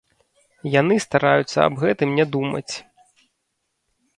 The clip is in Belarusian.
Яны стараюцца аб гэтым не думаць.